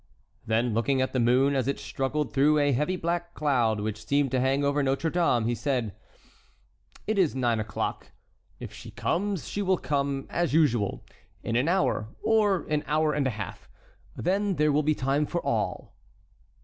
Then, looking at the moon as it struggled through a heavy black cloud which seemed to hang over Notre Dame, he said: "It is nine o'clock. If she comes, she will come, as usual, in an hour or an hour and a half; then there will be time for all."